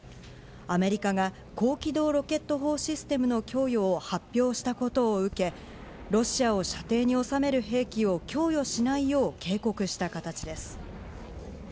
アメリカが、高機動ロケット砲システムの供与を発表したことを受け、ロシアを射程に収める兵器を供与しないよう警告した形です。